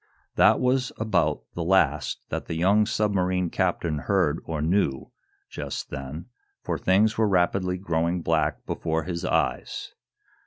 That was about the last that the young submarine captain heard or knew, just then, for things were rapidly growing black before his eyes.